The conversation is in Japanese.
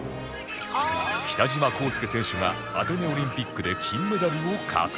北島康介選手がアテネオリンピックで金メダルを獲得